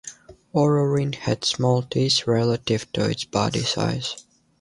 "Orrorin" had small teeth relative to its body size.